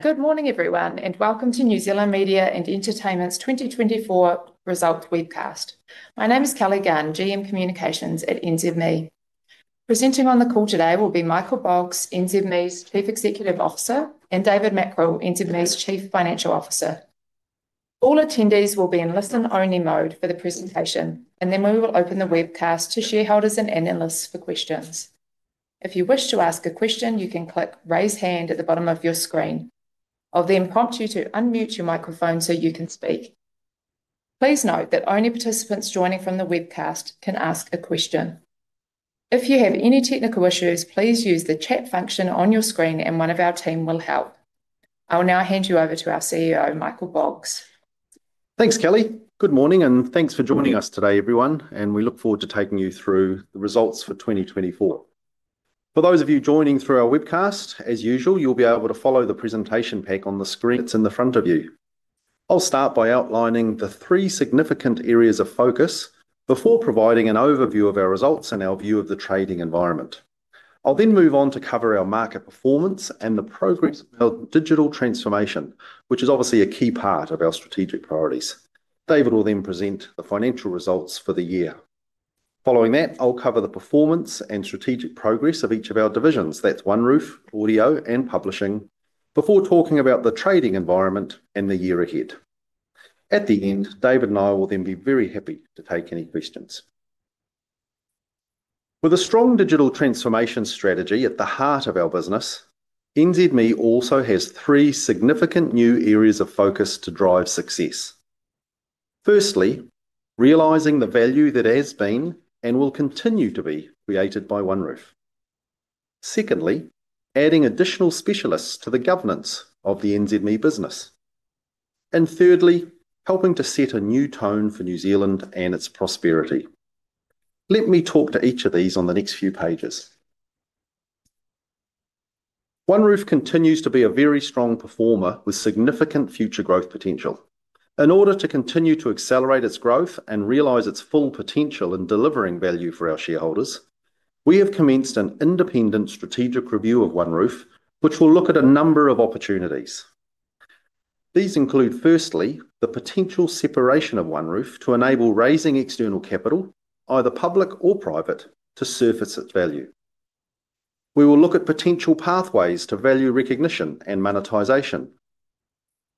Good morning, everyone, and welcome to New Zealand Media and Entertainment's 2024 Result Webcast. My name is Kelly Gunn, GM Communications at NZME. Presenting on the call today will be Michael Boggs, NZME's Chief Executive Officer, and David Mackrell, NZME's Chief Financial Officer. All attendees will be in listen-only mode for the presentation, and then we will open the webcast to shareholders and analysts for questions. If you wish to ask a question, you can click "Raise Hand" at the bottom of your screen. I'll then prompt you to unmute your microphone so you can speak. Please note that only participants joining from the webcast can ask a question. If you have any technical issues, please use the chat function on your screen, and one of our team will help. I will now hand you over to our CEO, Michael Boggs. Thanks, Kelly. Good morning, and thanks for joining us today, everyone, and we look forward to taking you through the results for 2024. For those of you joining through our webcast, as usual, you'll be able to follow the presentation pack on the screen that's in front of you. I'll start by outlining the three significant areas of focus before providing an overview of our results and our view of the trading environment. I'll then move on to cover our market performance and the progress of our digital transformation, which is obviously a key part of our strategic priorities. David will then present the financial results for the year. Following that, I'll cover the performance and strategic progress of each of our divisions—that's OneRoof, Audio, and Publishing—before talking about the trading environment and the year ahead. At the end, David and I will then be very happy to take any questions. With a strong digital transformation strategy at the heart of our business, NZME also has three significant new areas of focus to drive success. Firstly, realizing the value that has been and will continue to be created by OneRoof. Secondly, adding additional specialists to the governance of the NZME business. Thirdly, helping to set a new tone for New Zealand and its prosperity. Let me talk to each of these on the next few pages. OneRoof continues to be a very strong performer with significant future growth potential. In order to continue to accelerate its growth and realize its full potential in delivering value for our shareholders, we have commenced an independent strategic review of OneRoof, which will look at a number of opportunities. These include, firstly, the potential separation of OneRoof to enable raising external capital, either public or private, to surface its value. We will look at potential pathways to value recognition and monetization.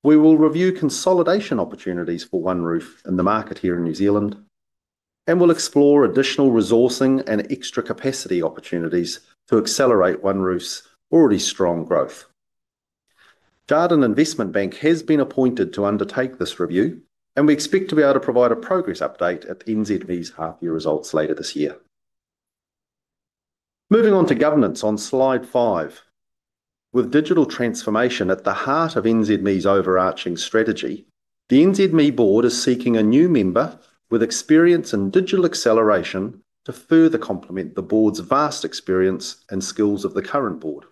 We will review consolidation opportunities for OneRoof in the market here in New Zealand, and we'll explore additional resourcing and extra capacity opportunities to accelerate OneRoof's already strong growth. Jarden Investment Bank has been appointed to undertake this review, and we expect to be able to provide a progress update at NZME's half-year results later this year. Moving on to governance on slide five. With digital transformation at the heart of NZME's overarching strategy, the NZME board is seeking a new member with experience in digital acceleration to further complement the board's vast experience and skills of the current board.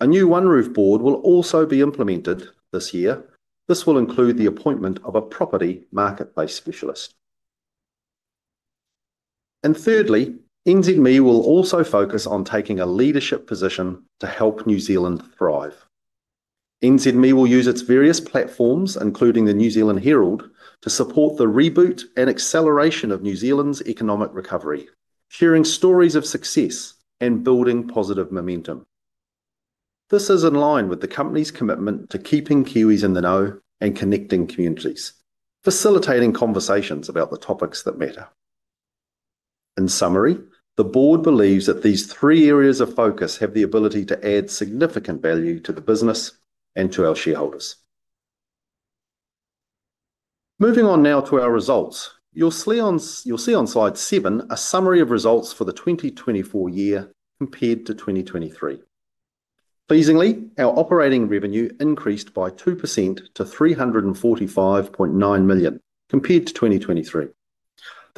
A new OneRoof board will also be implemented this year. This will include the appointment of a property marketplace specialist. Thirdly, NZME will also focus on taking a leadership position to help New Zealand thrive. NZME will use its various platforms, including the New Zealand Herald, to support the reboot and acceleration of New Zealand's economic recovery, sharing stories of success and building positive momentum. This is in line with the company's commitment to keeping Kiwis in the know and connecting communities, facilitating conversations about the topics that matter. In summary, the board believes that these three areas of focus have the ability to add significant value to the business and to our shareholders. Moving on now to our results, you'll see on slide seven a summary of results for the 2024 year compared to 2023. Pleasingly, our operating revenue increased by 2% to 345.9 million compared to 2023.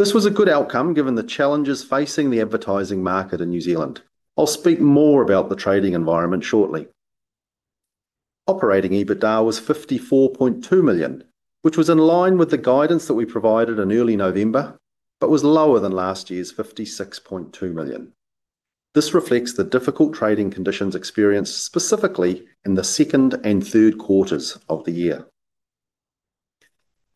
This was a good outcome given the challenges facing the advertising market in New Zealand. I'll speak more about the trading environment shortly. Operating EBITDA was 54.2 million, which was in line with the guidance that we provided in early November, but was lower than last year's 56.2 million. This reflects the difficult trading conditions experienced specifically in the second and third quarters of the year.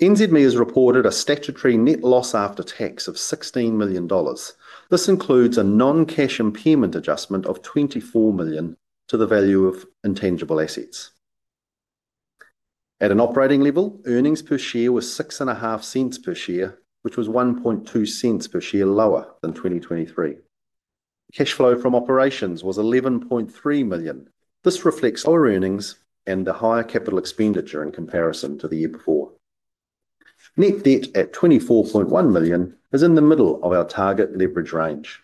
NZME has reported a statutory net loss after tax of 16 million dollars. This includes a non-cash impairment adjustment of 24 million to the value of intangible assets. At an operating level, earnings per share was 0.065 per share, which was 0.012 per share lower than 2023. Cash flow from operations was 11.3 million. This reflects our earnings and the higher capital expenditure in comparison to the year before. Net debt at 24.1 million is in the middle of our target leverage range.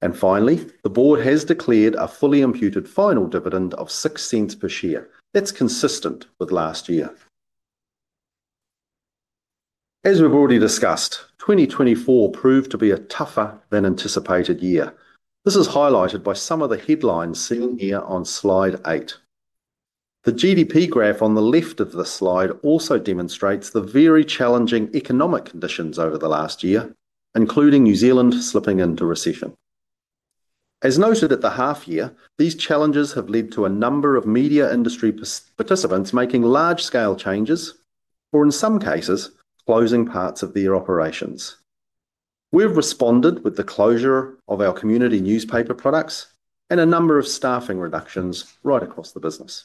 The board has declared a fully imputed final dividend of 0.06 per share. That is consistent with last year. As we have already discussed, 2024 proved to be a tougher than anticipated year. This is highlighted by some of the headlines seen here on slide eight. The GDP graph on the left of the slide also demonstrates the very challenging economic conditions over the last year, including New Zealand slipping into recession. As noted at the half year, these challenges have led to a number of media industry participants making large-scale changes or, in some cases, closing parts of their operations. We have responded with the closure of our community newspaper products and a number of staffing reductions right across the business.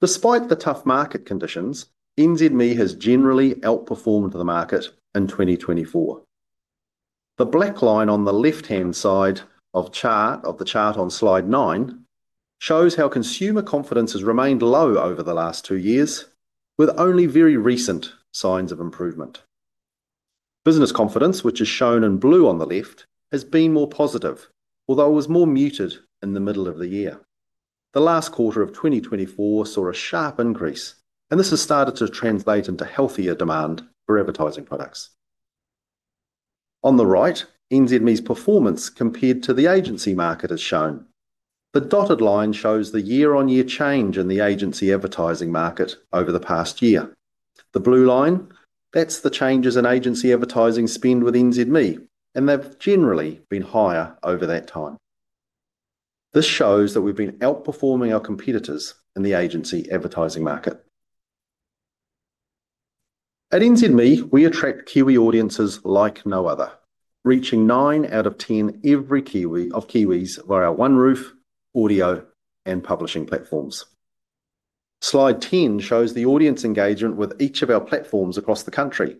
Despite the tough market conditions, NZME has generally outperformed the market in 2024. The black line on the left-hand side of the chart on slide nine shows how consumer confidence has remained low over the last two years, with only very recent signs of improvement. Business confidence, which is shown in blue on the left, has been more positive, although it was more muted in the middle of the year. The last quarter of 2024 saw a sharp increase, and this has started to translate into healthier demand for advertising products. On the right, NZME's performance compared to the agency market is shown. The dotted line shows the year-on-year change in the agency advertising market over the past year. The blue line, that's the changes in agency advertising spend with NZME, and they've generally been higher over that time. This shows that we've been outperforming our competitors in the agency advertising market. At NZME, we attract Kiwi audiences like no other, reaching nine out of ten Kiwis via OneRoof, Audio, and Publishing platforms. Slide ten shows the audience engagement with each of our platforms across the country.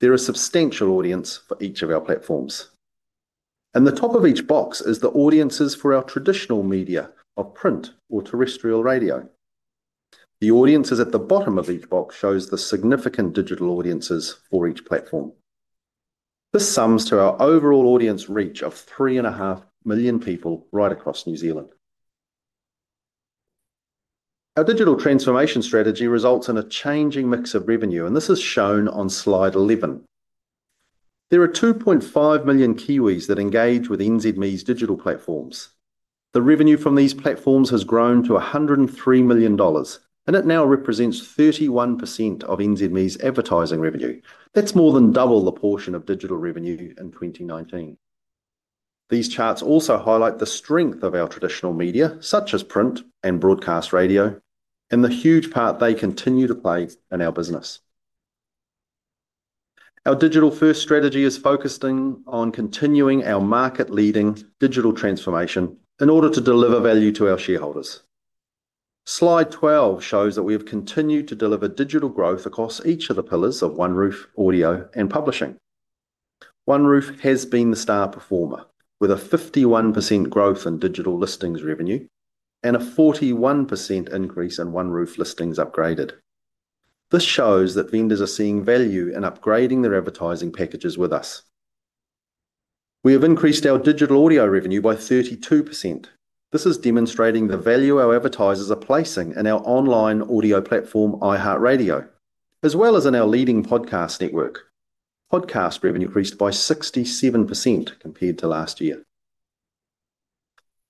There is a substantial audience for each of our platforms. At the top of each box is the audiences for our traditional media of print or terrestrial radio. The audiences at the bottom of each box show the significant digital audiences for each platform. This sums to our overall audience reach of 3.5 million people right across New Zealand. Our digital transformation strategy results in a changing mix of revenue, and this is shown on slide 11. There are 2.5 million Kiwis that engage with NZME's digital platforms. The revenue from these platforms has grown to 103 million dollars, and it now represents 31% of NZME's advertising revenue. That's more than double the portion of digital revenue in 2019. These charts also highlight the strength of our traditional media, such as print and broadcast radio, and the huge part they continue to play in our business. Our digital-first strategy is focusing on continuing our market-leading digital transformation in order to deliver value to our shareholders. Slide 12 shows that we have continued to deliver digital growth across each of the pillars of OneRoof, Audio, and Publishing. OneRoof has been the star performer, with a 51% growth in digital listings revenue and a 41% increase in OneRoof listings upgraded. This shows that vendors are seeing value in upgrading their advertising packages with us. We have increased our digital audio revenue by 32%. This is demonstrating the value our advertisers are placing in our online audio platform, iHeartRadio, as well as in our leading podcast network. Podcast revenue increased by 67% compared to last year.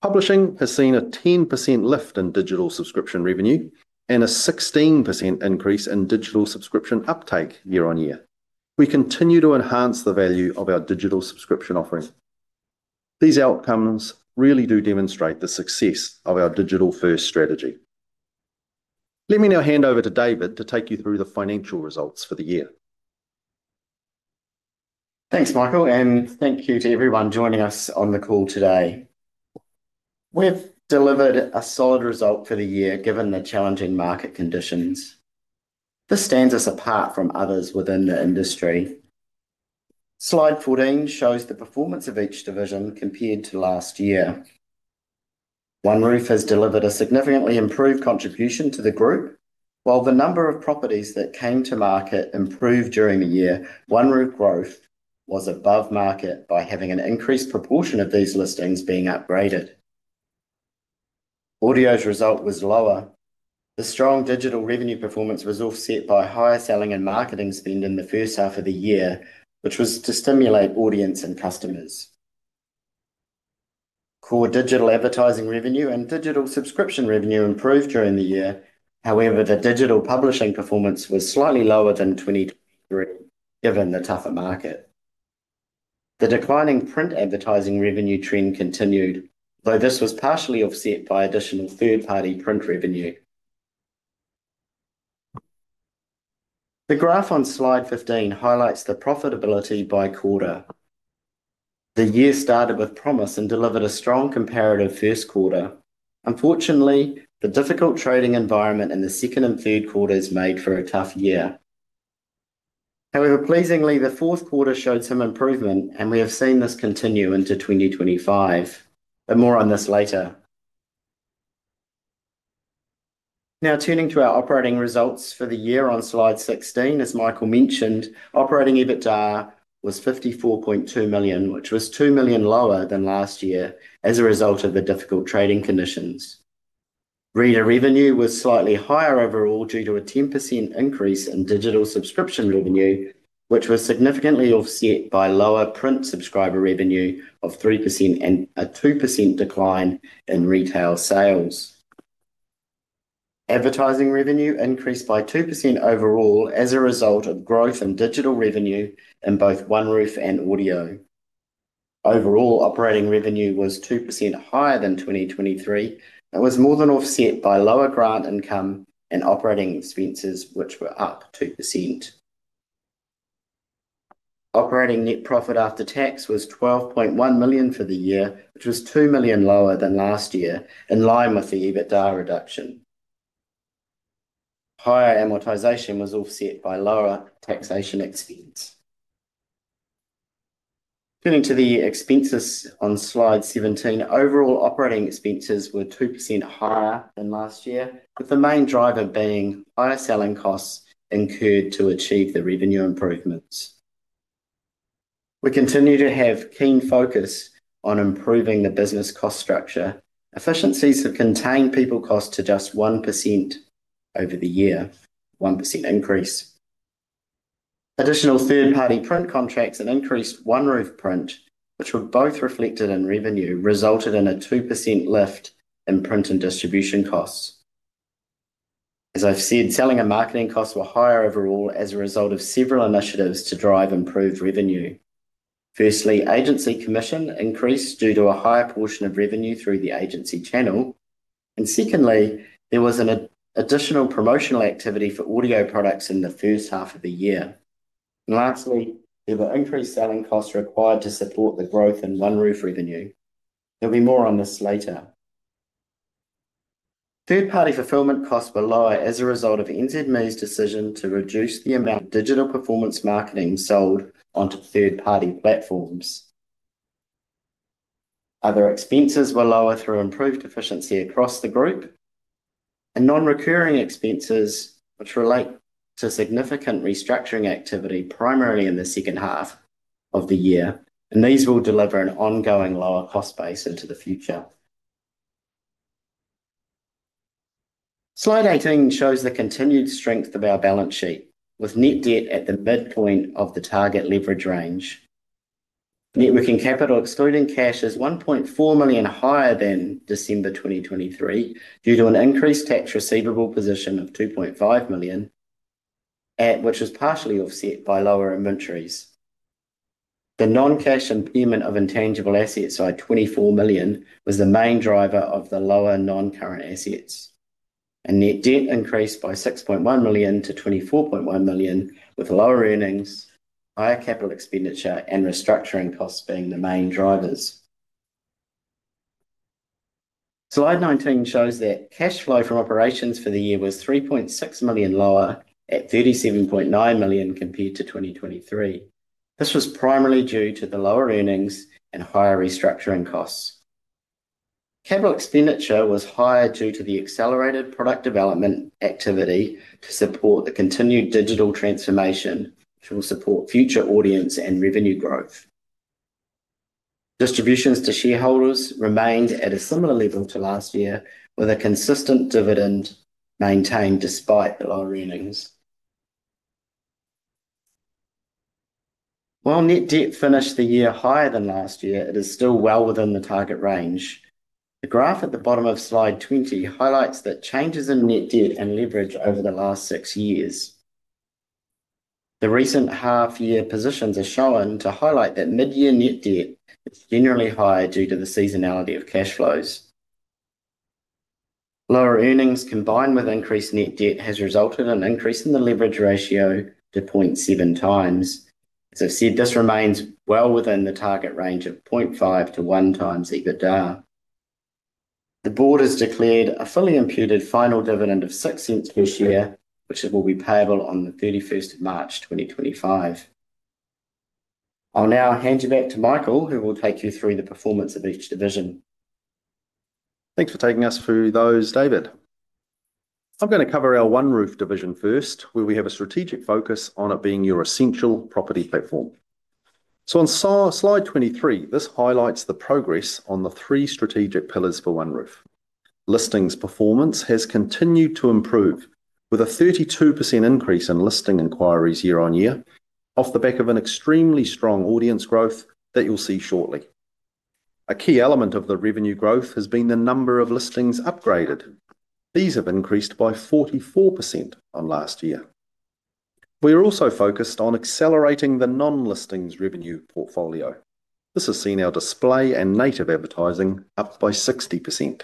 Publishing has seen a 10% lift in digital subscription revenue and a 16% increase in digital subscription uptake year-on-year. We continue to enhance the value of our digital subscription offering. These outcomes really do demonstrate the success of our digital-first strategy. Let me now hand over to David to take you through the financial results for the year. Thanks, Michael, and thank you to everyone joining us on the call today. We've delivered a solid result for the year given the challenging market conditions. This stands us apart from others within the industry. Slide 14 shows the performance of each division compared to last year. OneRoof has delivered a significantly improved contribution to the group. While the number of properties that came to market improved during the year, OneRoof growth was above market by having an increased proportion of these listings being upgraded. Audio's result was lower. The strong digital revenue performance was offset by higher selling and marketing spend in the first half of the year, which was to stimulate audience and customers. Core digital advertising revenue and digital subscription revenue improved during the year. However, the digital publishing performance was slightly lower than 2023 given the tougher market. The declining print advertising revenue trend continued, though this was partially offset by additional third-party print revenue. The graph on slide 15 highlights the profitability by quarter. The year started with promise and delivered a strong comparative first quarter. Unfortunately, the difficult trading environment in the second and third quarters made for a tough year. However, pleasingly, the fourth quarter showed some improvement, and we have seen this continue into 2025. More on this later. Now, turning to our operating results for the year on slide 16, as Michael mentioned, operating EBITDA was 54.2 million, which was 2 million lower than last year as a result of the difficult trading conditions. Reader revenue was slightly higher overall due to a 10% increase in digital subscription revenue, which was significantly offset by lower print subscriber revenue of 3% and a 2% decline in retail sales. Advertising revenue increased by 2% overall as a result of growth in digital revenue in both OneRoof and Audio. Overall, operating revenue was 2% higher than 2023. It was more than offset by lower grant income and operating expenses, which were up 2%. Operating net profit after tax was 12.1 million for the year, which was 2 million lower than last year, in line with the EBITDA reduction. Higher amortization was offset by lower taxation expense. Turning to the expenses on slide 17, overall operating expenses were 2% higher than last year, with the main driver being higher selling costs incurred to achieve the revenue improvements. We continue to have keen focus on improving the business cost structure. Efficiencies have contained people cost to just 1% over the year, 1% increase. Additional third-party print contracts and increased OneRoof print, which were both reflected in revenue, resulted in a 2% lift in print and distribution costs. As I've said, selling and marketing costs were higher overall as a result of several initiatives to drive improved revenue. Firstly, agency commission increased due to a higher portion of revenue through the agency channel. Secondly, there was an additional promotional activity for audio products in the first half of the year. Lastly, there were increased selling costs required to support the growth in OneRoof revenue. There will be more on this later. Third-party fulfillment costs were lower as a result of NZME's decision to reduce the amount of digital performance marketing sold onto third-party platforms. Other expenses were lower through improved efficiency across the group and non-recurring expenses, which relate to significant restructuring activity primarily in the second half of the year. These will deliver an ongoing lower cost base into the future. Slide 18 shows the continued strength of our balance sheet, with net debt at the midpoint of the target leverage range. Net working capital, excluding cash, is 1.4 million higher than December 2023 due to an increased tax receivable position of 2.5 million, which was partially offset by lower inventories. The non-cash impairment of intangible assets by 24 million was the main driver of the lower non-current assets. Net debt increased by 6.1 million to 24.1 million, with lower earnings, higher capital expenditure, and restructuring costs being the main drivers. Slide 19 shows that cash flow from operations for the year was 3.6 million lower at 37.9 million compared to 2023. This was primarily due to the lower earnings and higher restructuring costs. Capital expenditure was higher due to the accelerated product development activity to support the continued digital transformation, which will support future audience and revenue growth. Distributions to shareholders remained at a similar level to last year, with a consistent dividend maintained despite the lower earnings. While net debt finished the year higher than last year, it is still well within the target range. The graph at the bottom of slide 20 highlights the changes in net debt and leverage over the last six years. The recent half-year positions are shown to highlight that mid-year net debt is generally higher due to the seasonality of cash flows. Lower earnings combined with increased net debt has resulted in an increase in the leverage ratio to 0.7 times. As I've said, this remains well within the target range of 0.5 to 1 times EBITDA. The board has declared a fully imputed final dividend of 0.06 this year, which will be payable on the 31st of March 2025. I'll now hand you back to Michael, who will take you through the performance of each division. Thanks for taking us through those, David. I'm going to cover our OneRoof division first, where we have a strategic focus on it being your essential property platform. On slide 23, this highlights the progress on the three strategic pillars for OneRoof. Listings performance has continued to improve, with a 32% increase in listing inquiries year-on-year, off the back of an extremely strong audience growth that you'll see shortly. A key element of the revenue growth has been the number of listings upgraded. These have increased by 44% on last year. We are also focused on accelerating the non-listings revenue portfolio. This has seen our display and native advertising up by 60%.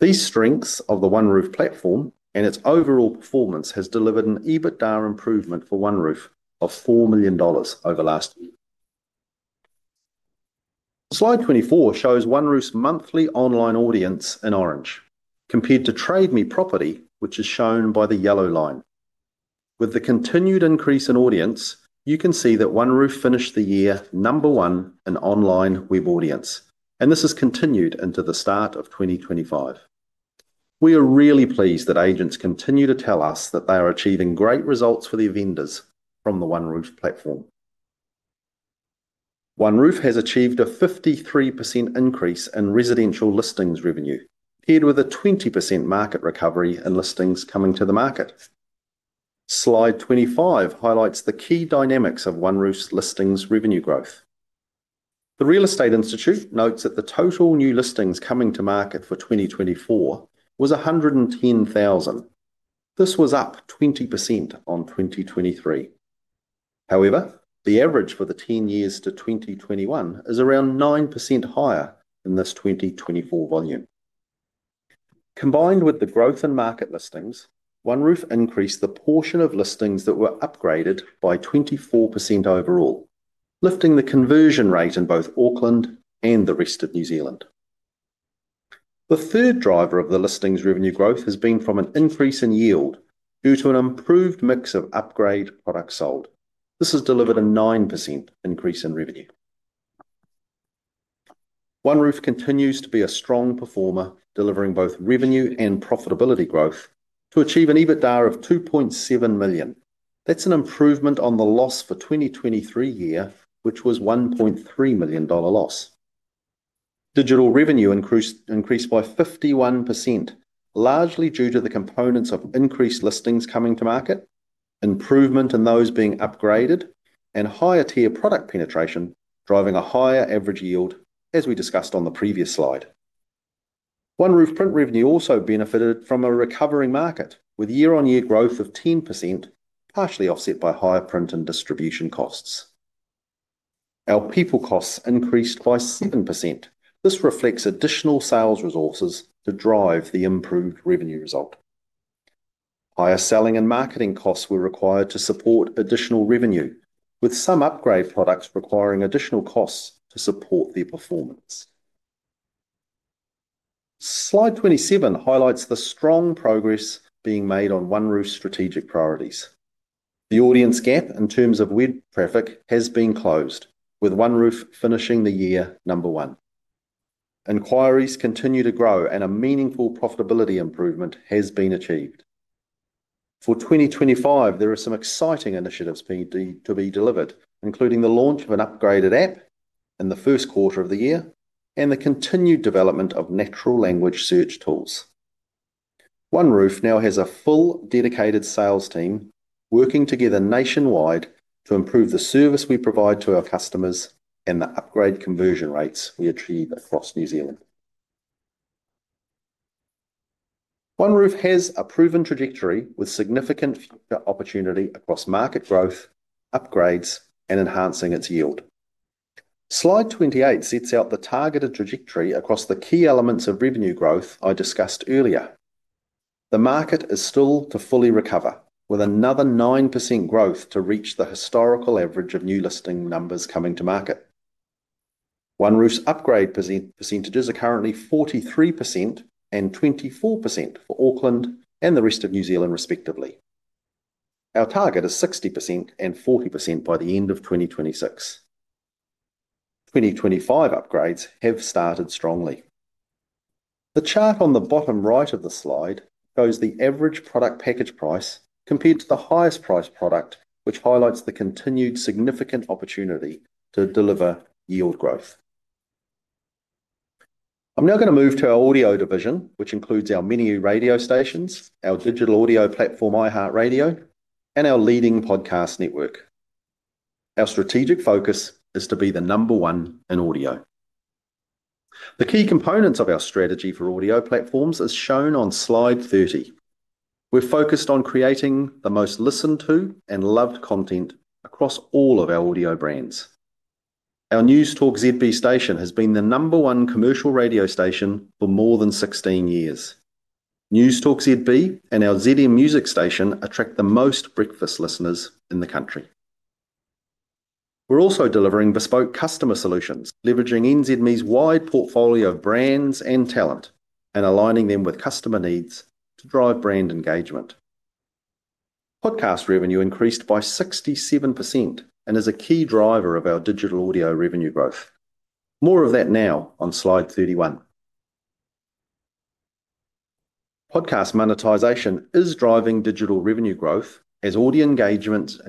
These strengths of the OneRoof platform and its overall performance have delivered an EBITDA improvement for OneRoof of 4 million dollars over last year. Slide 24 shows OneRoof's monthly online audience in orange compared to Trade Me Property, which is shown by the yellow line. With the continued increase in audience, you can see that OneRoof finished the year number one in online web audience, and this has continued into the start of 2025. We are really pleased that agents continue to tell us that they are achieving great results for their vendors from the OneRoof platform. OneRoof has achieved a 53% increase in residential listings revenue, paired with a 20% market recovery in listings coming to the market. Slide 25 highlights the key dynamics of OneRoof's listings revenue growth. The Real Estate Institute notes that the total new listings coming to market for 2024 was 110,000. This was up 20% on 2023. However, the average for the 10 years to 2021 is around 9% higher in this 2024 volume. Combined with the growth in market listings, OneRoof increased the portion of listings that were upgraded by 24% overall, lifting the conversion rate in both Auckland and the rest of New Zealand. The third driver of the listings revenue growth has been from an increase in yield due to an improved mix of upgrade products sold. This has delivered a 9% increase in revenue. OneRoof continues to be a strong performer, delivering both revenue and profitability growth to achieve an EBITDA of 2.7 million. That's an improvement on the loss for the 2023 year, which was a 1.3 million dollar loss. Digital revenue increased by 51%, largely due to the components of increased listings coming to market, improvement in those being upgraded, and higher tier product penetration, driving a higher average yield, as we discussed on the previous slide. OneRoof print revenue also benefited from a recovering market, with year-on-year growth of 10%, partially offset by higher print and distribution costs. Our people costs increased by 7%. This reflects additional sales resources to drive the improved revenue result. Higher selling and marketing costs were required to support additional revenue, with some upgrade products requiring additional costs to support their performance. Slide 27 highlights the strong progress being made on OneRoof's strategic priorities. The audience gap in terms of web traffic has been closed, with OneRoof finishing the year number one. Inquiries continue to grow, and a meaningful profitability improvement has been achieved. For 2025, there are some exciting initiatives to be delivered, including the launch of an upgraded app in the first quarter of the year and the continued development of natural language search tools. OneRoof now has a full dedicated sales team working together nationwide to improve the service we provide to our customers and the upgrade conversion rates we achieve across New Zealand. OneRoof has a proven trajectory with significant future opportunity across market growth, upgrades, and enhancing its yield. Slide 28 sets out the targeted trajectory across the key elements of revenue growth I discussed earlier. The market is still to fully recover, with another 9% growth to reach the historical average of new listing numbers coming to market. OneRoof's upgrade percentages are currently 43% and 24% for Auckland and the rest of New Zealand, respectively. Our target is 60% and 40% by the end of 2026. 2025 upgrades have started strongly. The chart on the bottom right of the slide shows the average product package price compared to the highest price product, which highlights the continued significant opportunity to deliver yield growth. I'm now going to move to our audio division, which includes our many radio stations, our digital audio platform, iHeartRadio, and our leading podcast network. Our strategic focus is to be the number one in audio. The key components of our strategy for audio platforms are shown on slide 30. We're focused on creating the most listened to and loved content across all of our audio brands. Our Newstalk ZB station has been the number one commercial radio station for more than 16 years. Newstalk ZB and our ZB music station attract the most breakfast listeners in the country. We're also delivering bespoke customer solutions, leveraging NZME's wide portfolio of brands and talent, and aligning them with customer needs to drive brand engagement. Podcast revenue increased by 67% and is a key driver of our digital audio revenue growth. More of that now on slide 31. Podcast monetization is driving digital revenue growth as audio engagements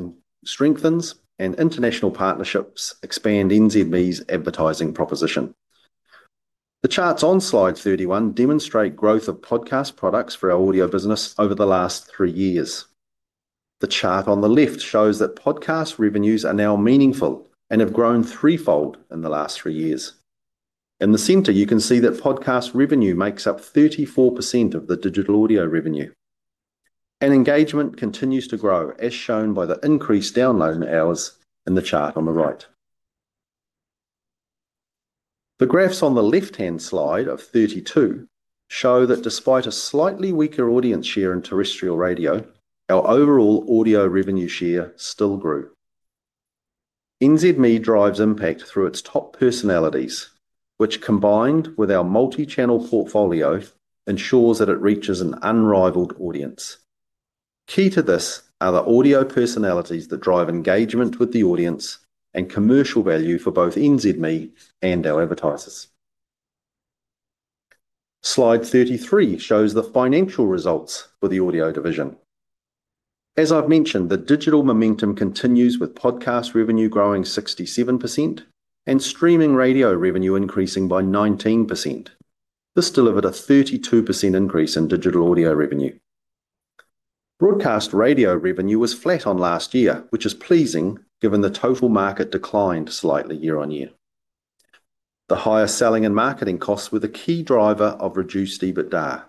strengthen and international partnerships expand NZME's advertising proposition. The charts on slide 31 demonstrate growth of podcast products for our audio business over the last three years. The chart on the left shows that podcast revenues are now meaningful and have grown threefold in the last three years. In the center, you can see that podcast revenue makes up 34% of the digital audio revenue. Engagement continues to grow, as shown by the increased download hours in the chart on the right. The graphs on the left-hand slide of 32 show that despite a slightly weaker audience share in terrestrial radio, our overall audio revenue share still grew. NZME drives impact through its top personalities, which, combined with our multi-channel portfolio, ensures that it reaches an unrivaled audience. Key to this are the audio personalities that drive engagement with the audience and commercial value for both NZME and our advertisers. Slide 33 shows the financial results for the audio division. As I've mentioned, the digital momentum continues with podcast revenue growing 67% and streaming radio revenue increasing by 19%. This delivered a 32% increase in digital audio revenue. Broadcast radio revenue was flat on last year, which is pleasing given the total market declined slightly year-on-year. The higher selling and marketing costs were the key driver of reduced EBITDA.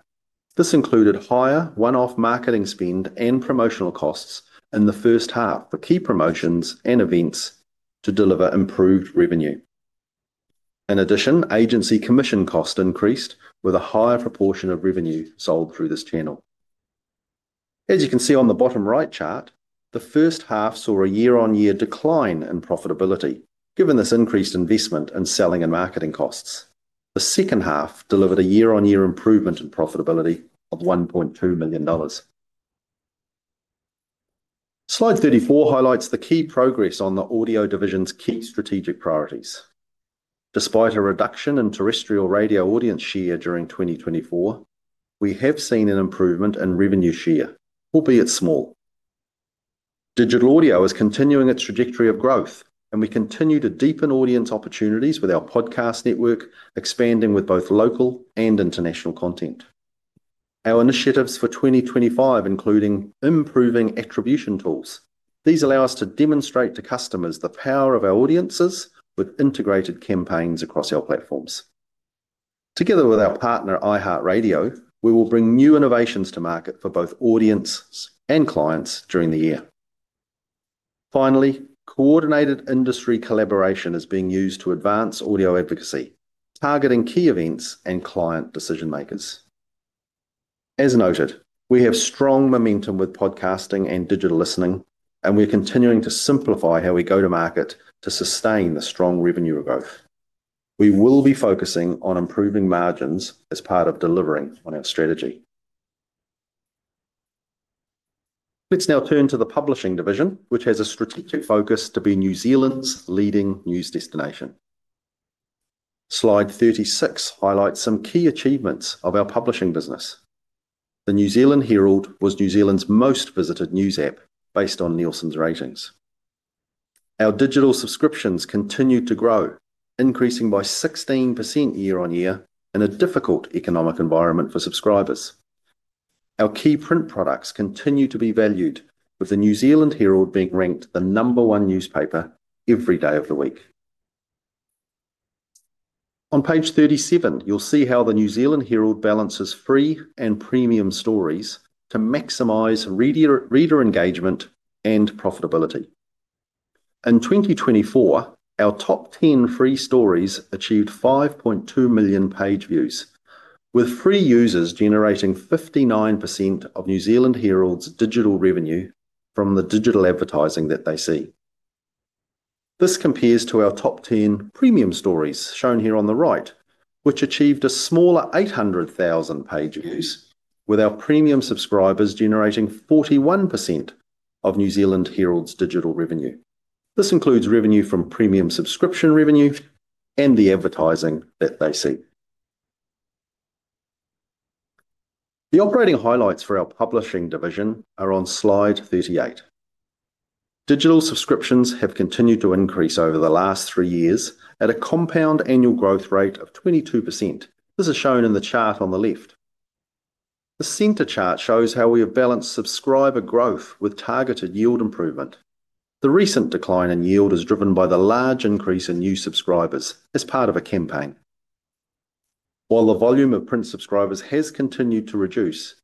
This included higher one-off marketing spend and promotional costs in the first half for key promotions and events to deliver improved revenue. In addition, agency commission costs increased with a higher proportion of revenue sold through this channel. As you can see on the bottom right chart, the first half saw a year-on-year decline in profitability given this increased investment in selling and marketing costs. The second half delivered a year-on-year improvement in profitability of 1.2 million dollars. Slide 34 highlights the key progress on the audio division's key strategic priorities. Despite a reduction in terrestrial radio audience share during 2024, we have seen an improvement in revenue share, albeit small. Digital audio is continuing its trajectory of growth, and we continue to deepen audience opportunities with our podcast network, expanding with both local and international content. Our initiatives for 2025 include improving attribution tools. These allow us to demonstrate to customers the power of our audiences with integrated campaigns across our platforms. Together with our partner, iHeartRadio, we will bring new innovations to market for both audiences and clients during the year. Finally, coordinated industry collaboration is being used to advance audio advocacy, targeting key events and client decision-makers. As noted, we have strong momentum with podcasting and digital listening, and we're continuing to simplify how we go to market to sustain the strong revenue growth. We will be focusing on improving margins as part of delivering on our strategy. Let's now turn to the publishing division, which has a strategic focus to be New Zealand's leading news destination. Slide 36 highlights some key achievements of our publishing business. The New Zealand Herald was New Zealand's most visited news app based on Nielsen's ratings. Our digital subscriptions continued to grow, increasing by 16% year-on-year in a difficult economic environment for subscribers. Our key print products continue to be valued, with the New Zealand Herald being ranked the number one newspaper every day of the week. On page 37, you'll see how the New Zealand Herald balances free and premium stories to maximize reader engagement and profitability. In 2024, our top 10 free stories achieved 5.2 million page views, with free users generating 59% of New Zealand Herald's digital revenue from the digital advertising that they see. This compares to our top 10 premium stories shown here on the right, which achieved a smaller 800,000 page views, with our premium subscribers generating 41% of New Zealand Herald's digital revenue. This includes revenue from premium subscription revenue and the advertising that they see. The operating highlights for our publishing division are on slide 38. Digital subscriptions have continued to increase over the last three years at a compound annual growth rate of 22%. This is shown in the chart on the left. The center chart shows how we have balanced subscriber growth with targeted yield improvement. The recent decline in yield is driven by the large increase in new subscribers as part of a campaign. While the volume of print subscribers has continued to reduce,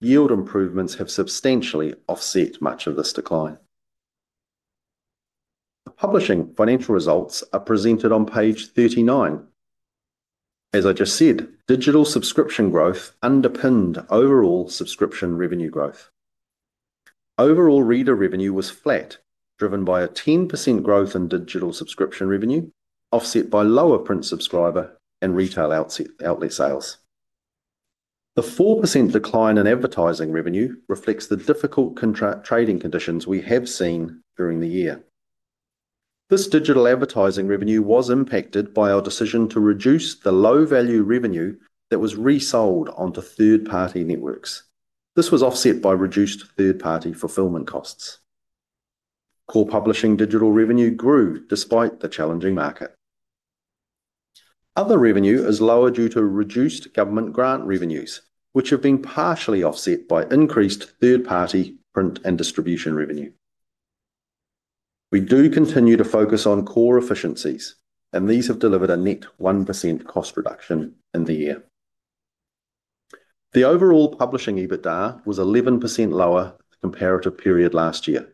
yield improvements have substantially offset much of this decline. The publishing financial results are presented on page 39, and as I just said, digital subscription growth underpinned overall subscription revenue growth. Overall reader revenue was flat, driven by a 10% growth in digital subscription revenue, offset by lower print subscriber and retail outlet sales. The 4% decline in advertising revenue reflects the difficult trading conditions we have seen during the year. This digital advertising revenue was impacted by our decision to reduce the low-value revenue that was resold onto third-party networks. This was offset by reduced third-party fulfillment costs. Core publishing digital revenue grew despite the challenging market. Other revenue is lower due to reduced government grant revenues, which have been partially offset by increased third-party print and distribution revenue. We do continue to focus on core efficiencies, and these have delivered a net 1% cost reduction in the year. The overall publishing EBITDA was 11% lower compared to the period last year.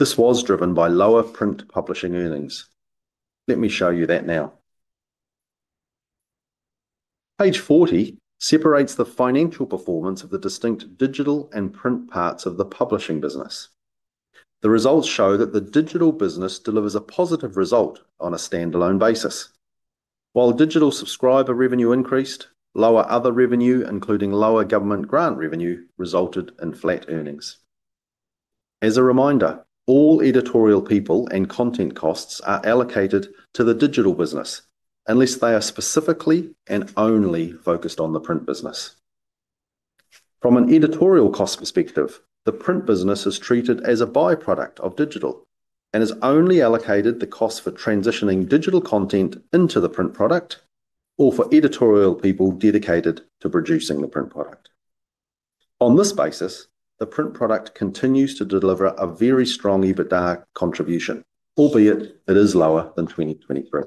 This was driven by lower print publishing earnings. Let me show you that now. Page 40 separates the financial performance of the distinct digital and print parts of the publishing business. The results show that the digital business delivers a positive result on a standalone basis. While digital subscriber revenue increased, lower other revenue, including lower government grant revenue, resulted in flat earnings. As a reminder, all editorial people and content costs are allocated to the digital business, unless they are specifically and only focused on the print business. From an editorial cost perspective, the print business is treated as a byproduct of digital and is only allocated the cost for transitioning digital content into the print product or for editorial people dedicated to producing the print product. On this basis, the print product continues to deliver a very strong EBITDA contribution, albeit it is lower than 2023.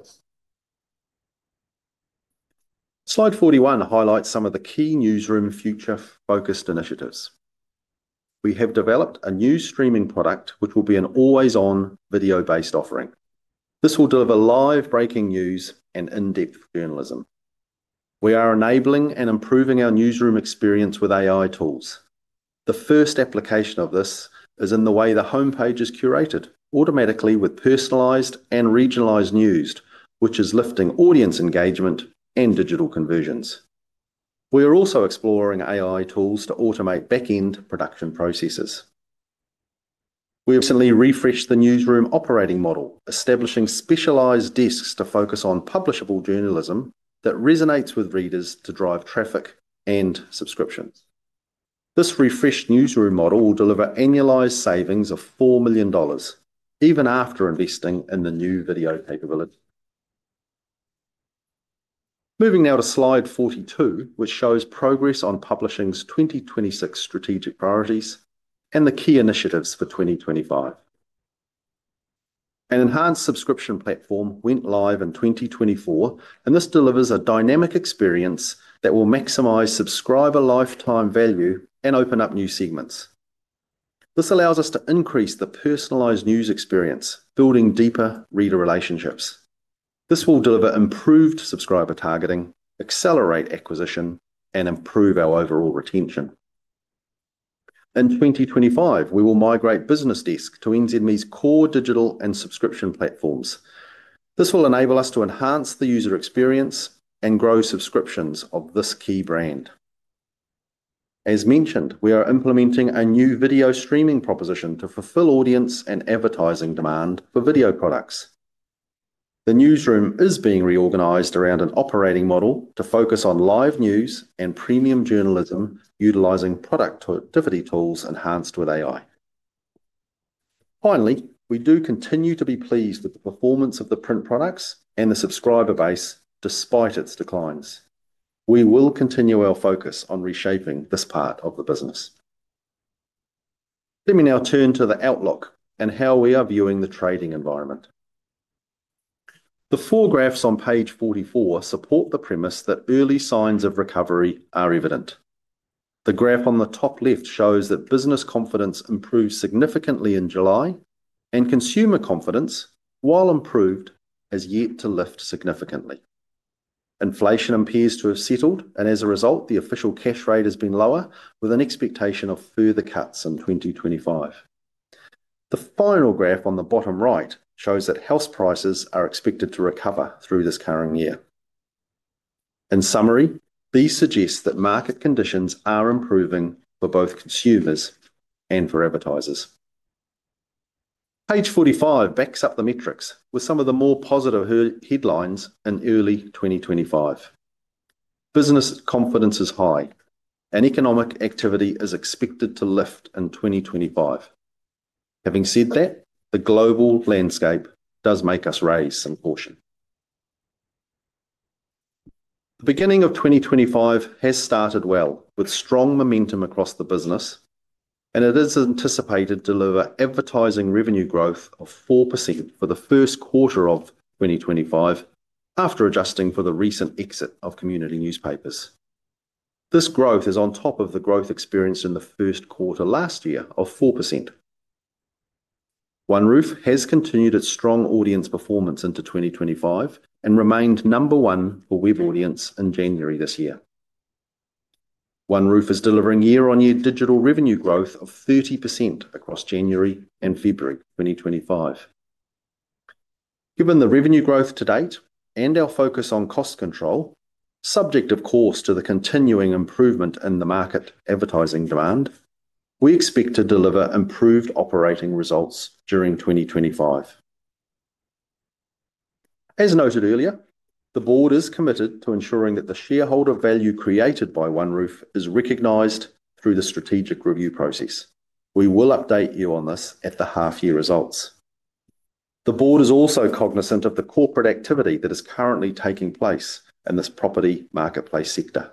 Slide 41 highlights some of the key newsroom future-focused initiatives. We have developed a new streaming product, which will be an always-on video-based offering. This will deliver live breaking news and in-depth journalism. We are enabling and improving our newsroom experience with AI tools. The first application of this is in the way the homepage is curated automatically with personalized and regionalized news, which is lifting audience engagement and digital conversions. We are also exploring AI tools to automate back-end production processes. We recently refreshed the newsroom operating model, establishing specialized desks to focus on publishable journalism that resonates with readers to drive traffic and subscriptions. This refreshed newsroom model will deliver annualized savings of 4 million dollars, even after investing in the new video capability. Moving now to slide 42, which shows progress on publishing's 2026 strategic priorities and the key initiatives for 2025. An enhanced subscription platform went live in 2024, and this delivers a dynamic experience that will maximize subscriber lifetime value and open up new segments. This allows us to increase the personalized news experience, building deeper reader relationships. This will deliver improved subscriber targeting, accelerate acquisition, and improve our overall retention. In 2025, we will migrate BusinessDesk to NZME's core digital and subscription platforms. This will enable us to enhance the user experience and grow subscriptions of this key brand. As mentioned, we are implementing a new video streaming proposition to fulfill audience and advertising demand for video products. The newsroom is being reorganized around an operating model to focus on live news and premium journalism, utilizing productivity tools enhanced with AI. Finally, we do continue to be pleased with the performance of the print products and the subscriber base despite its declines. We will continue our focus on reshaping this part of the business. Let me now turn to the outlook and how we are viewing the trading environment. The four graphs on page 44 support the premise that early signs of recovery are evident. The graph on the top left shows that business confidence improved significantly in July, and consumer confidence, while improved, has yet to lift significantly. Inflation appears to have settled, and as a result, the official cash rate has been lower, with an expectation of further cuts in 2025. The final graph on the bottom right shows that house prices are expected to recover through this current year. In summary, these suggest that market conditions are improving for both consumers and for advertisers. Page 45 backs up the metrics with some of the more positive headlines in early 2025. Business confidence is high, and economic activity is expected to lift in 2025. Having said that, the global landscape does make us raise some caution. The beginning of 2025 has started well with strong momentum across the business, and it is anticipated to deliver advertising revenue growth of 4% for the first quarter of 2025, after adjusting for the recent exit of community newspapers. This growth is on top of the growth experienced in the first quarter last year of 4%. OneRoof has continued its strong audience performance into 2025 and remained number one for web audience in January this year. OneRoof is delivering year-on-year digital revenue growth of 30% across January and February 2025. Given the revenue growth to date and our focus on cost control, subject of course to the continuing improvement in the market advertising demand, we expect to deliver improved operating results during 2025. As noted earlier, the board is committed to ensuring that the shareholder value created by OneRoof is recognized through the strategic review process. We will update you on this at the half-year results. The board is also cognizant of the corporate activity that is currently taking place in this property marketplace sector.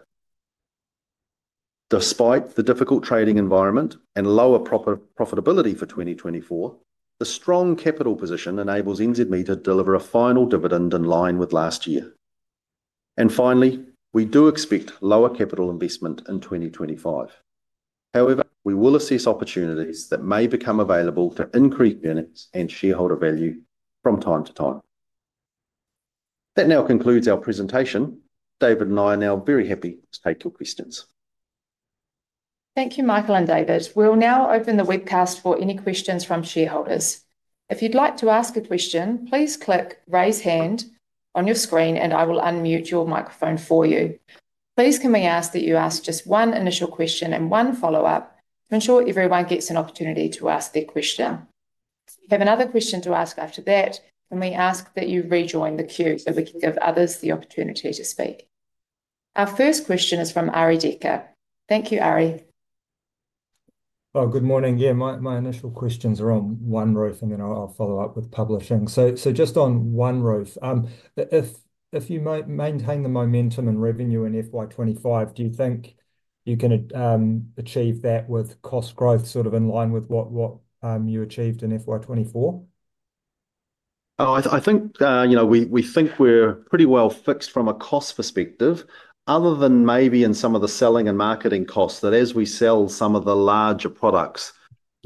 Despite the difficult trading environment and lower profitability for 2024, the strong capital position enables NZME to deliver a final dividend in line with last year, and finally, we do expect lower capital investment in 2025. However, we will assess opportunities that may become available to increase earnings and shareholder value from time to time. That now concludes our presentation. David and I are now very happy to take your questions. Thank you, Michael and David. We'll now open the webcast for any questions from shareholders. If you'd like to ask a question, please click Raise Hand on your screen, and I will unmute your microphone for you. Please can we ask that you ask just one initial question and one follow-up to ensure everyone gets an opportunity to ask their question? If you have another question to ask after that, can we ask that you rejoin the queue so we can give others the opportunity to speak? Our first question is from Arie Dekker. Thank you, Ari. Good morning. Yeah, my initial questions are on OneRoof, and then I'll follow up with publishing. Just on OneRoof, if you maintain the momentum and revenue in FY25, do you think you can achieve that with cost growth sort of in line with what you achieved in FY24? Oh, I think we think we're pretty well fixed from a cost perspective, other than maybe in some of the selling and marketing costs that as we sell some of the larger products,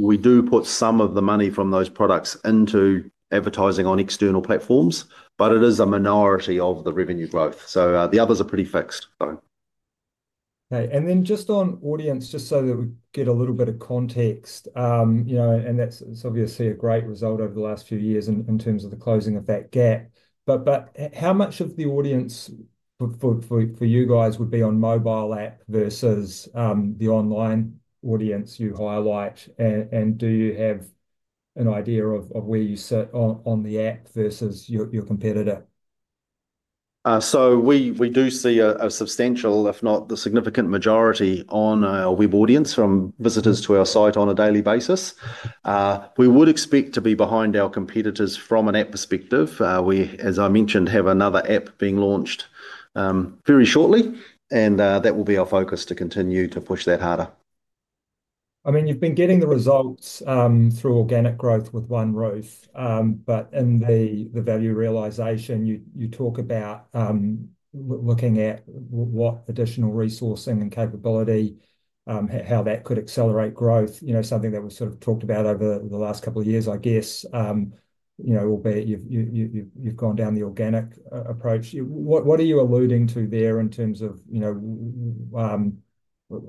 we do put some of the money from those products into advertising on external platforms, but it is a minority of the revenue growth. The others are pretty fixed. Okay. Just on audience, just so that we get a little bit of context, and that's obviously a great result over the last few years in terms of the closing of that gap. How much of the audience for you guys would be on mobile app versus the online audience you highlight? Do you have an idea of where you sit on the app versus your competitor? We do see a substantial, if not the significant majority, on our web audience from visitors to our site on a daily basis. We would expect to be behind our competitors from an app perspective. We, as I mentioned, have another app being launched very shortly, and that will be our focus to continue to push that harder. I mean, you've been getting the results through organic growth with OneRoof, but in the value realization, you talk about looking at what additional resourcing and capability, how that could accelerate growth, something that was sort of talked about over the last couple of years, I guess, albeit you've gone down the organic approach. What are you alluding to there in terms of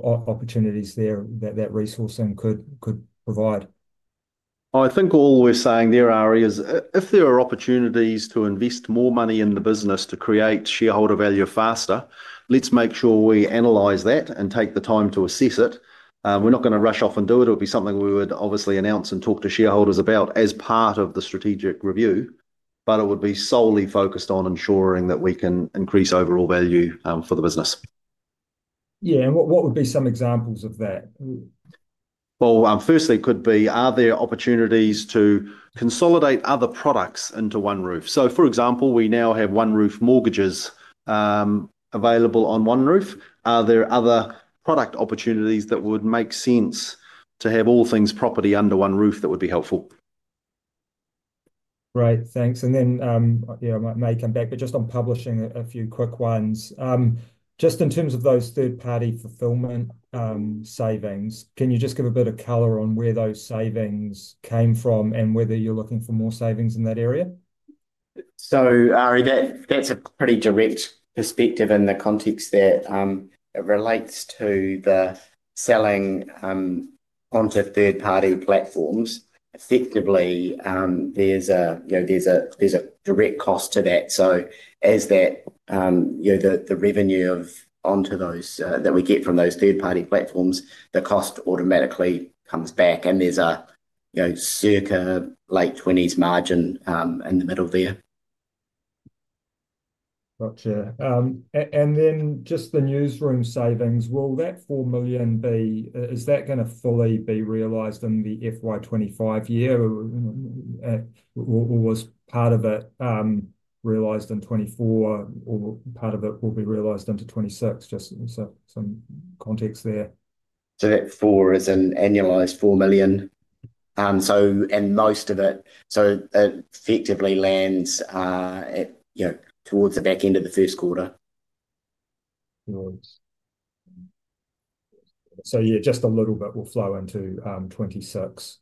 opportunities there that resourcing could provide? I think all we're saying there, Arie, is if there are opportunities to invest more money in the business to create shareholder value faster, let's make sure we analyze that and take the time to assess it. We're not going to rush off and do it. It would be something we would obviously announce and talk to shareholders about as part of the strategic review. It would be solely focused on ensuring that we can increase overall value for the business. Yeah. What would be some examples of that? First, it could be, are there opportunities to consolidate other products into OneRoof? For example, we now have OneRoof Mortgages available on OneRoof. Are there other product opportunities that would make sense to have all things property under OneRoof that would be helpful? Right. Thanks. I may come back, but just on publishing, a few quick ones. Just in terms of those third-party fulfillment savings, can you just give a bit of color on where those savings came from and whether you're looking for more savings in that area? Arie, that's a pretty direct perspective in the context that it relates to the selling onto third-party platforms. Effectively, there's a direct cost to that. As the revenue onto those that we get from those third-party platforms, the cost automatically comes back, and there's a circa late 20s margin in the middle there. Gotcha. Just the newsroom savings, will that $4 million be, is that going to fully be realized in the FY2025 year? Or was part of it realized in 2024, or part of it will be realized into 2026? Just some context there. That four is an annualized 4 million. Most of it effectively lands towards the back end of the first quarter. Yeah, just a little bit will flow into 2026.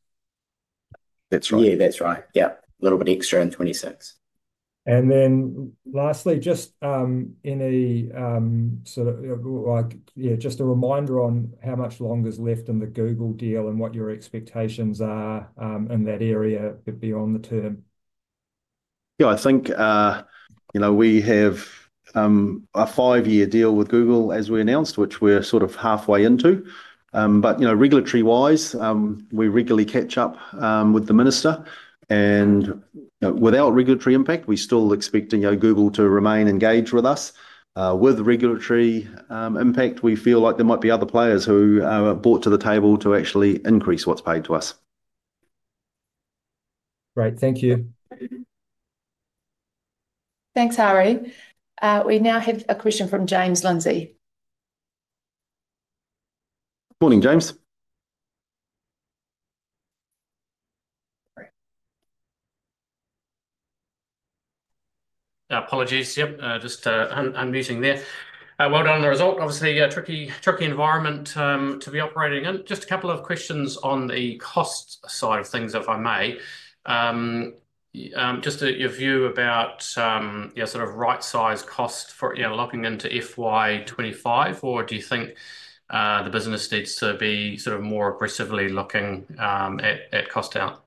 That's right. Yeah, that's right. Yep. A little bit extra in 2026. Lastly, just any sort of, yeah, just a reminder on how much longer is left in the Google deal and what your expectations are in that area beyond the term? Yeah, I think we have a five-year deal with Google as we announced, which we're sort of halfway into. Regulatory-wise, we regularly catch up with the minister. Without regulatory impact, we still expect Google to remain engaged with us. With regulatory impact, we feel like there might be other players who are brought to the table to actually increase what's paid to us. Great. Thank you. Thanks, Arie. We now have a question from James Lindsay. Morning, James. Apologies. Yep. Just unmuting there. Well done on the result. Obviously, tricky environment to be operating in. Just a couple of questions on the cost side of things, if I may. Just your view about sort of right-sized cost for locking into FY2025, or do you think the business needs to be sort of more aggressively looking at cost out?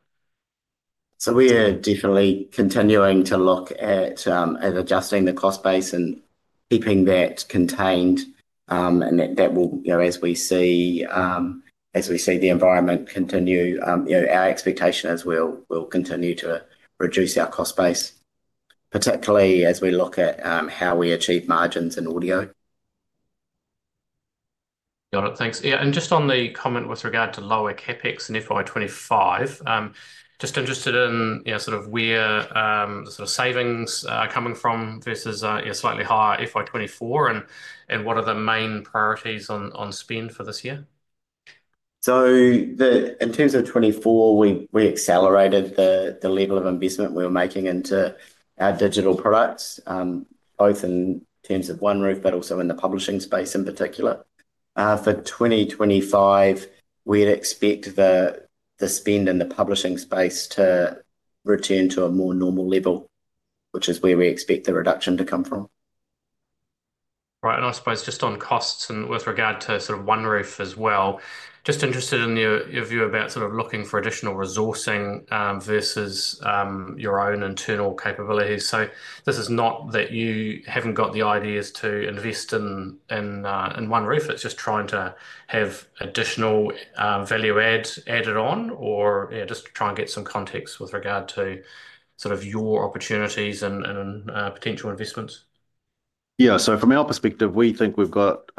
We are definitely continuing to look at adjusting the cost base and keeping that contained. That will, as we see the environment continue, our expectation is we will continue to reduce our cost base, particularly as we look at how we achieve margins in audio. Got it. Thanks. Yeah. Just on the comment with regard to lower CapEx in FY2025, just interested in sort of where the sort of savings are coming from versus a slightly higher FY2024, and what are the main priorities on spend for this year? In terms of 2024, we accelerated the level of investment we were making into our digital products, both in terms of OneRoof, but also in the publishing space in particular. For 2025, we'd expect the spend in the publishing space to return to a more normal level, which is where we expect the reduction to come from. Right. I suppose just on costs and with regard to sort of OneRoof as well, just interested in your view about sort of looking for additional resourcing versus your own internal capabilities. This is not that you haven't got the ideas to invest in OneRoof. It's just trying to have additional value added on, or just trying to get some context with regard to sort of your opportunities and potential investments. Yeah. From our perspective, we think we've got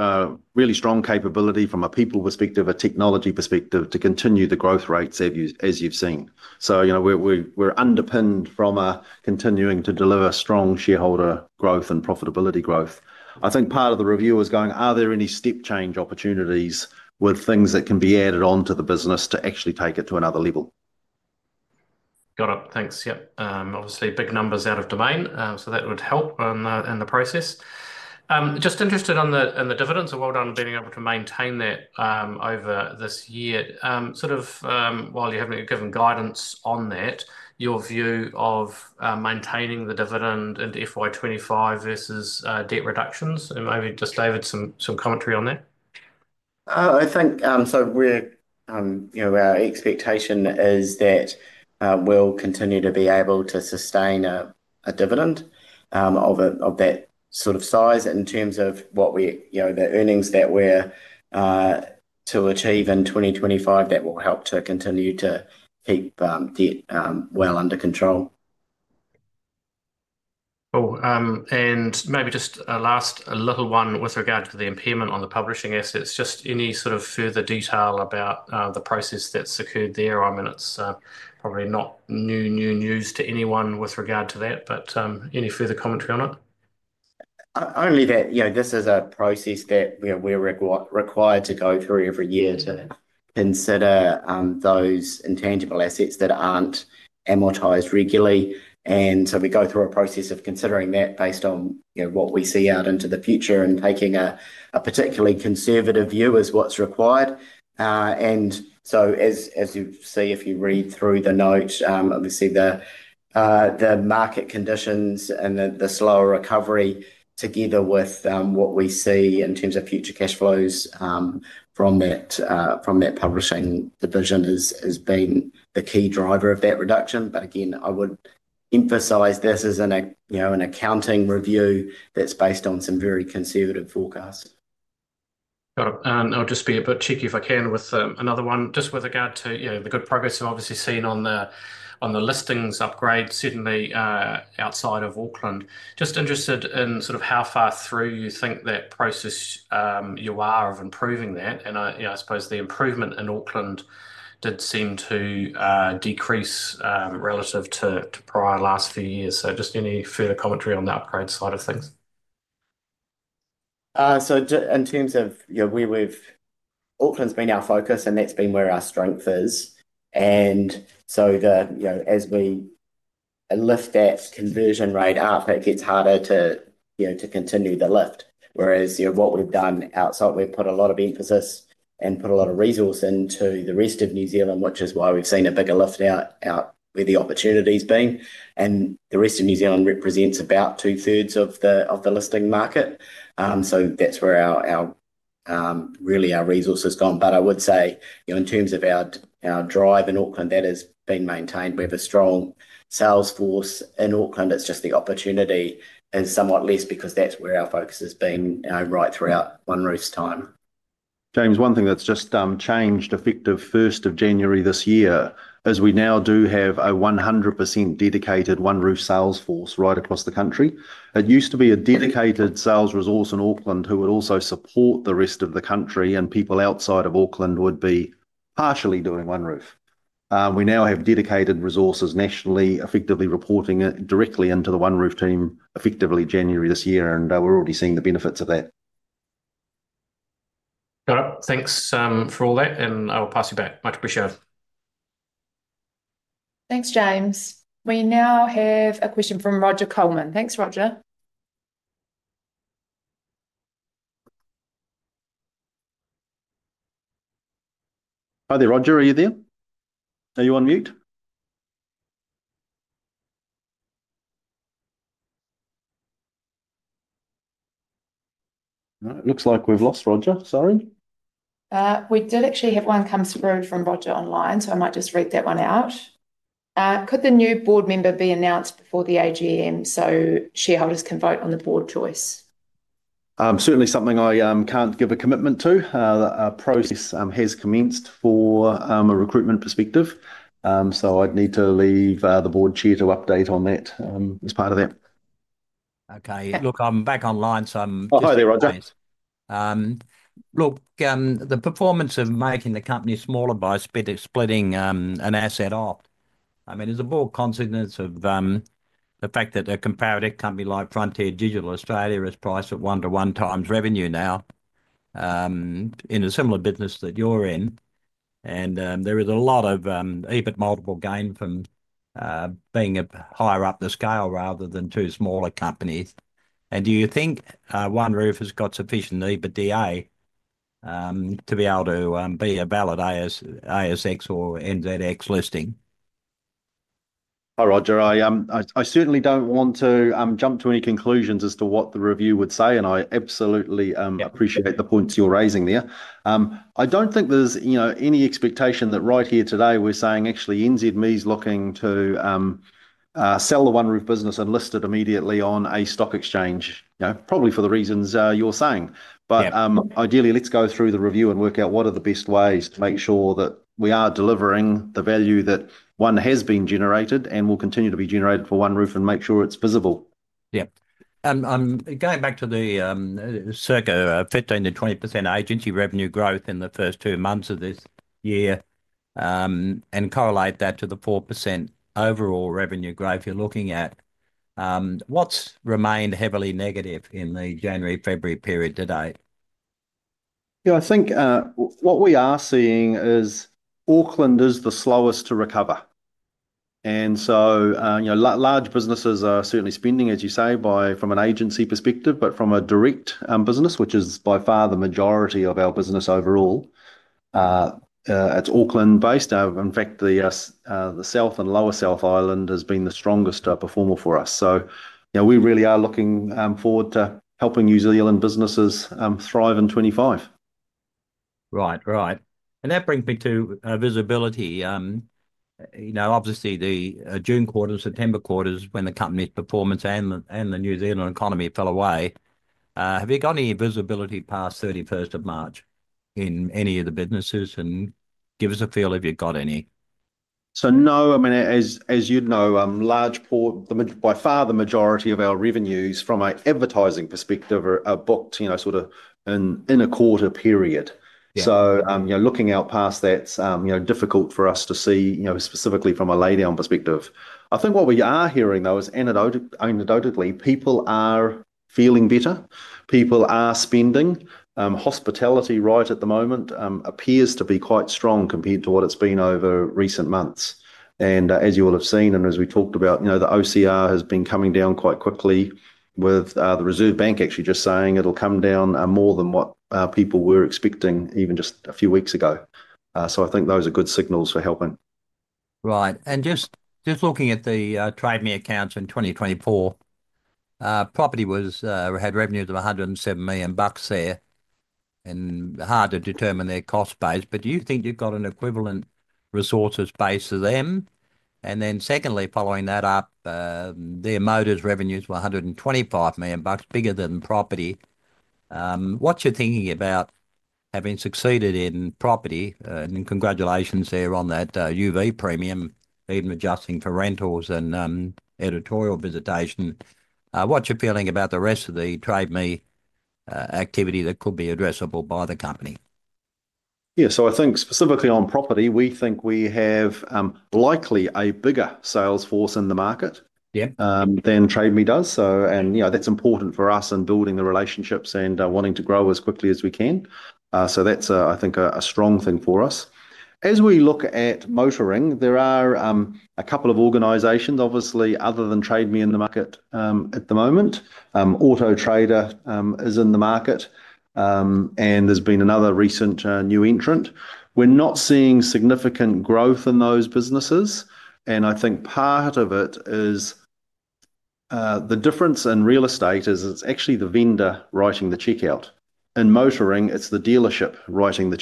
really strong capability from a people perspective, a technology perspective to continue the growth rates as you've seen. We're underpinned from continuing to deliver strong shareholder growth and profitability growth. I think part of the review is going, are there any step change opportunities with things that can be added on to the business to actually take it to another level? Got it. Thanks. Yep. Obviously, big numbers out of Domain. That would help in the process. Just interested on the dividends. Well done on being able to maintain that over this year. Sort of while you're having a given guidance on that, your view of maintaining the dividend into FY2025 versus debt reductions? Maybe just David, some commentary on that. I think so our expectation is that we'll continue to be able to sustain a dividend of that sort of size in terms of the earnings that we're to achieve in 2025 that will help to continue to keep debt well under control. Cool, and maybe just a last little one with regard to the impairment on the publishing assets. Just any sort of further detail about the process that's occurred there? I mean, it's probably not new news to anyone with regard to that, but any further commentary on it? Only that this is a process that we're required to go through every year to consider those intangible assets that aren't amortized regularly. We go through a process of considering that based on what we see out into the future and taking a particularly conservative view as what's required. As you see, if you read through the note, obviously the market conditions and the slower recovery together with what we see in terms of future cash flows from that publishing division has been the key driver of that reduction. I would emphasize this as an accounting review that's based on some very conservative forecasts. Got it. I'll just be a bit cheeky if I can with another one. Just with regard to the good progress we've obviously seen on the listings upgrade certainly outside of Auckland. Just interested in sort of how far through you think that process you are of improving that. I suppose the improvement in Auckland did seem to decrease relative to prior last few years. Just any further commentary on the upgrade side of things? In terms of where we've—Auckland's been our focus, and that's been where our strength is. As we lift that conversion rate up, it gets harder to continue the lift. Whereas what we've done outside, we've put a lot of emphasis and put a lot of resource into the rest of New Zealand, which is why we've seen a bigger lift out where the opportunity's been. The rest of New Zealand represents about two-thirds of the listing market. That's where really our resource has gone. I would say in terms of our drive in Auckland, that has been maintained. We have a strong sales force in Auckland. It's just the opportunity is somewhat less because that's where our focus has been right throughout OneRoof's time. James, one thing that's just changed effective 1st of January this year is we now do have a 100% dedicated OneRoof sales force right across the country. It used to be a dedicated sales resource in Auckland who would also support the rest of the country, and people outside of Auckland would be partially doing OneRoof. We now have dedicated resources nationally effectively reporting directly into the OneRoof team effectively January this year, and we're already seeing the benefits of that. Got it. Thanks for all that, and I will pass you back. Much appreciated. Thanks, James. We now have a question from Roger Coleman. Thanks, Roger. Hi there, Roger. Are you there? Are you on mute? It looks like we've lost Roger. Sorry. We did actually have one come through from Roger online, so I might just read that one out. Could the new board member be announced before the AGM so shareholders can vote on the board choice? Certainly something I can't give a commitment to. A process has commenced from a recruitment perspective. I need to leave the board chair to update on that as part of that. Okay. Look, I'm back online, so I'm just. Hi there, Roger. Look, the performance of making the company smaller by splitting an asset up, I mean, is a broad consequence of the fact that a comparative company like Frontier Digital Australia is priced at one-to-one times revenue now in a similar business that you're in. There is a lot of EBIT multiple gain from being higher up the scale rather than two smaller companies. Do you think OneRoof has got sufficient EBITDA to be able to be a valid ASX or NZX listing? Hi, Roger. I certainly do not want to jump to any conclusions as to what the review would say, and I absolutely appreciate the points you are raising there. I do not think there is any expectation that right here today we are saying actually NZME is looking to sell the OneRoof business and list it immediately on a stock exchange, probably for the reasons you are saying. Ideally, let's go through the review and work out what are the best ways to make sure that we are delivering the value that one has been generated and will continue to be generated for OneRoof and make sure it is visible. Yeah. Going back to the circa 15%-20% agency revenue growth in the first two months of this year and correlate that to the 4% overall revenue growth you're looking at, what's remained heavily negative in the January-February period today? Yeah, I think what we are seeing is Auckland is the slowest to recover. Large businesses are certainly spending, as you say, from an agency perspective, but from a direct business, which is by far the majority of our business overall, it's Auckland-based. In fact, the South and Lower South Island has been the strongest performer for us. We really are looking forward to helping New Zealand businesses thrive in 2025. Right, right. That brings me to visibility. Obviously, the June quarter and September quarter is when the company's performance and the New Zealand economy fell away. Have you got any visibility past 31st of March in any of the businesses? And give us a feel if you've got any. No. I mean, as you know, by far the majority of our revenues from an advertising perspective are booked sort of in a quarter period. Looking out past that, difficult for us to see specifically from a lay-down perspective. I think what we are hearing, though, is anecdotally, people are feeling better. People are spending. Hospitality right at the moment appears to be quite strong compared to what it's been over recent months. As you will have seen, and as we talked about, the OCR has been coming down quite quickly with the Reserve Bank actually just saying it'll come down more than what people were expecting even just a few weeks ago. I think those are good signals for helping. Right. Just looking at the Trade Me accounts in 2024, property had revenues of 107 million bucks there. Hard to determine their cost base, but do you think you've got an equivalent resources base to them? Secondly, following that up, their motors revenues were 125 million bucks, bigger than property. What's your thinking about having succeeded in property? Congratulations there on that UV premium, even adjusting for rentals and editorial visitation. What's your feeling about the rest of the Trade Me activity that could be addressable by the company? Yeah. I think specifically on property, we think we have likely a bigger sales force in the market than Trade Me does. That's important for us in building the relationships and wanting to grow as quickly as we can. That's, I think, a strong thing for us. As we look at motoring, there are a couple of organizations, obviously, other than Trade Me in the market at the moment. Auto Trader is in the market, and there is been another recent new entrant. We are not seeing significant growth in those businesses, and I think part of it is the difference in real estate is it is actually the vendor writing the check. In motoring, it is the dealership writing the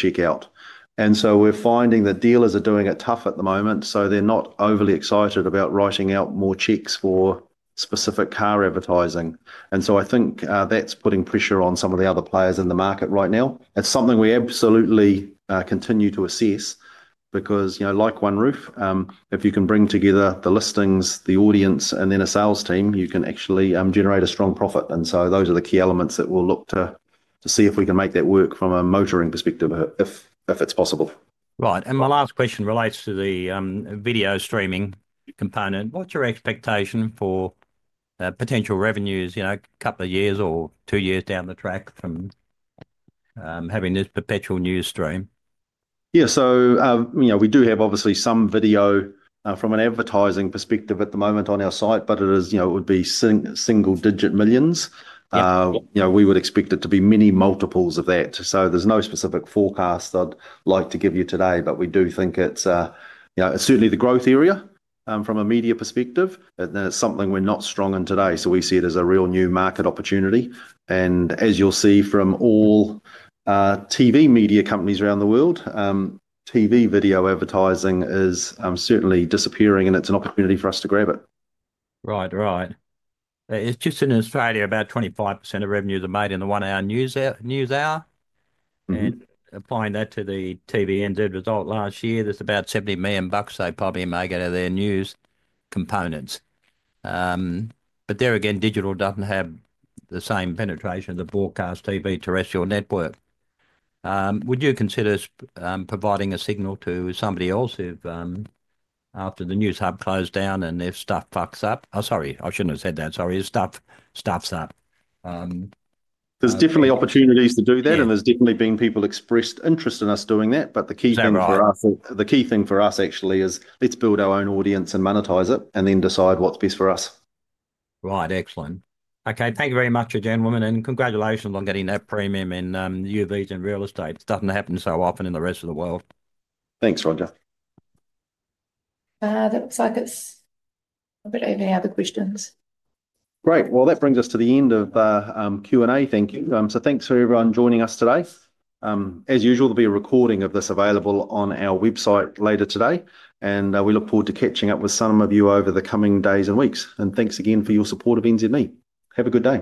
check. We are finding that dealers are doing it tough at the moment, so they are not overly excited about writing out more checks for specific car advertising. I think that is putting pressure on some of the other players in the market right now. It is something we absolutely continue to assess because like OneRoof, if you can bring together the listings, the audience, and then a sales team, you can actually generate a strong profit. Those are the key elements that we'll look to see if we can make that work from a motoring perspective if it's possible. Right. My last question relates to the video streaming component. What's your expectation for potential revenues a couple of years or two years down the track from having this perpetual news stream? Yeah. We do have obviously some video from an advertising perspective at the moment on our site, but it would be single-digit millions. We would expect it to be many multiples of that. There's no specific forecast I'd like to give you today, but we do think it's certainly the growth area from a media perspective. It's something we're not strong in today. We see it as a real new market opportunity. As you'll see from all TV media companies around the world, TV video advertising is certainly disappearing, and it's an opportunity for us to grab it. Right, right. It's just in Australia, about 25% of revenues are made in the one-hour news hour. Applying that to the TVNZ result last year, there's about 70 million bucks they probably make out of their news components. There again, digital doesn't have the same penetration as a broadcast TV terrestrial network. Would you consider providing a signal to somebody else after the Newshub closed down and if stuff fucks up? Oh, sorry, I shouldn't have said that. Sorry, if stuff stuffs up. There's definitely opportunities to do that, and there's definitely been people expressed interest in us doing that. The key thing for us, the key thing for us actually is let's build our own audience and monetize it and then decide what's best for us. Right, excellent. Okay, thank you very much, gentlemen, and congratulations on getting that premium in UVs and real estate. It does not happen so often in the rest of the world. Thanks, Roger. That looks like it's a bit over now, the questions. Great. That brings us to the end of Q&A. Thank you. Thanks for everyone joining us today. As usual, there will be a recording of this available on our website later today, and we look forward to catching up with some of you over the coming days and weeks. Thanks again for your support of NZME. Have a good day.